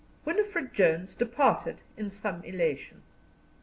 Winifred Jones departed in some elation.